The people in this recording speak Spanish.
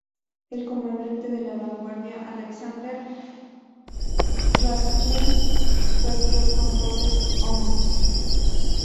El comandante de la vanguardia, Alexander Radcliffe, perdió el control de sus hombres.